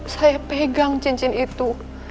saya pegang cincin itu